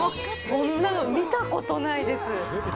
こんなの見たことないです。